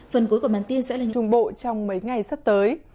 phần cuối của bản tin sẽ là những thông bộ trong mấy ngày sắp tới